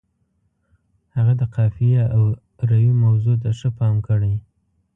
هغه د قافیې او روي موضوع ته ښه پام کړی.